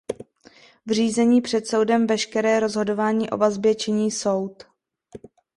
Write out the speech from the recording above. V řízení před soudem veškeré rozhodování o vazbě činí soud.